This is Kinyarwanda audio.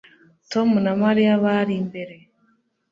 Tom na Mariya bari imbere